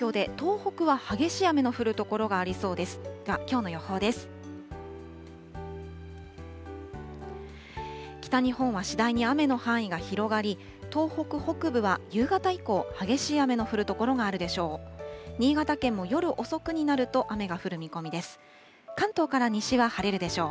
北日本は次第に雨の範囲が広がり、東北北部は夕方以降、激しい雨の降る所があるでしょう。